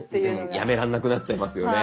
やめらんなくなっちゃいますよね。